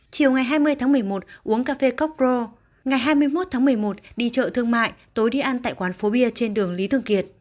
chiều ngày hai mươi tháng một mươi một uống cà phê cocro ngày hai mươi một tháng một mươi một đi chợ thương mại tối đi ăn tại quán phố bia trên đường lý thường kiệt